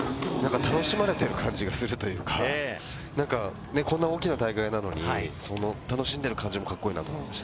楽しまれてる感じがするというか、こんな大きな大会なのに、楽しんでる感じもカッコいいなと思いました。